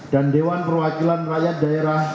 dan dewan perwakilan daerah provinsi dan dewan perwakilan raikat